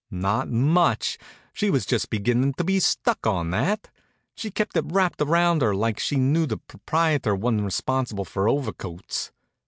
Not much! She was just beginnin' to be stuck on that. She kept it wrapped around her like she knew the proprietor wa'n't responsible for overcoats.